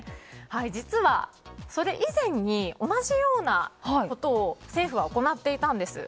実は、それ以前に同じようなことを政府は行っていたんです。